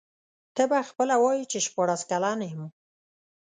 ته به خپله وایې چي شپاړس کلن یم.